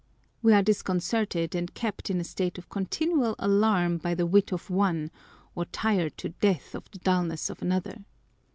"We are disconcerted and kept in a state of continual alarm by the wit of one, or tired to death of the dullness of another.